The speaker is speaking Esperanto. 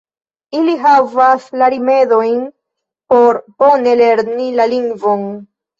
Ili havas la rimedojn por bone lerni la lingvon.